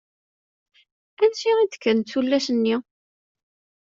Ansa i d-kkant tullas-nni?